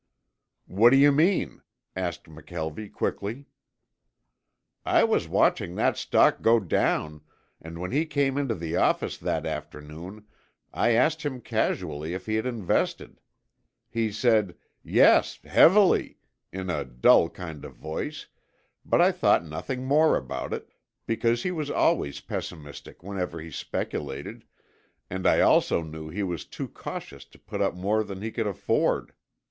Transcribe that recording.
"What do you mean?" asked McKelvie quickly. "I was watching that stock go down, and when he came into the office that afternoon I asked him casually if he had invested. He said, 'Yes, heavily,' in a dull kind of voice, but I thought nothing more about it, because he was always pessimistic whenever he speculated and I also knew he was too cautious to put up more than he could afford.